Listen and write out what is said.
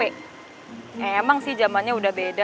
eh emang sih zamannya udah beda